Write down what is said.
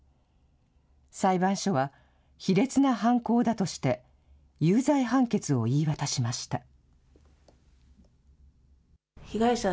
裁判所は、卑劣な犯行だとして、有罪判決を言い渡しました。